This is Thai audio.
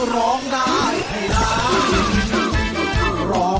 ร้องได้ให้ร้าน